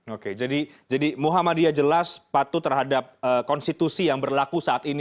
oke jadi muhammadiyah jelas patuh terhadap konstitusi yang berlaku saat ini